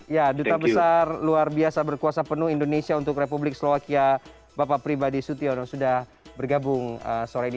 ya duta besar luar biasa berkuasa penuh indonesia untuk republik slovakia bapak pribadi sutyono sudah bergabung sore ini